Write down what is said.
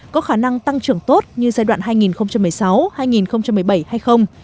có khả năng tăng trưởng tốt như giai đoạn hai nghìn một mươi sáu hai nghìn một mươi bảy hay không